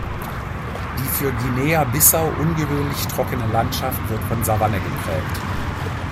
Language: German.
Die für Guinea-Bissau ungewöhnlich trockene Landschaft wird von Savanne geprägt.